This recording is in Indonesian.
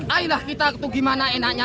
ayo lah kita tuh gimana enaknya